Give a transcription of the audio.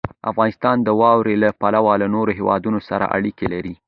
افغانستان د واوره له پلوه له نورو هېوادونو سره اړیکې لري.